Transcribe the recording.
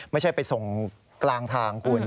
ไม่ใช่ไปส่งกลางทางคุณ